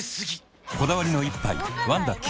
こだわりの一杯「ワンダ極」